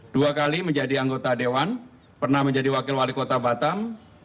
dua kali menjadi anggota dewan pernah menjadi wakil wali kota batam